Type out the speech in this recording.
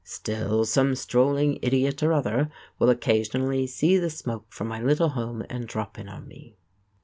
Still some strolling idiot or other will occasionally see the smoke from my little home and drop in on me.